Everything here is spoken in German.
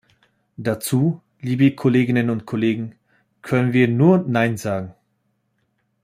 Dazu, liebe Kolleginnen und Kollegen, können wir nur nein sagen!